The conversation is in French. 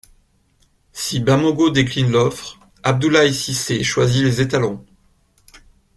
Si Bamogo décline l'offre, Abdoulaye Cissé choisit les Étalons.